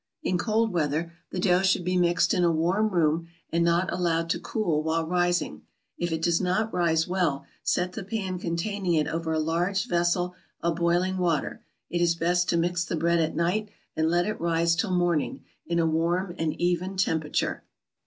In cold weather, the dough should be mixed in a warm room, and not allowed to cool while rising; if it does not rise well, set the pan containing it over a large vessel of boiling water; it is best to mix the bread at night, and let it rise till morning, in a warm and even temperature.